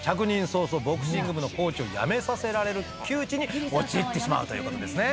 早々ボクシング部のコーチを辞めさせられる窮地に陥ってしまうという事ですね。